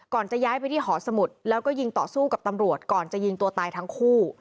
จะย้ายไปที่หอสมุทรแล้วก็ยิงต่อสู้กับตำรวจก่อนจะยิงตัวตายทั้งคู่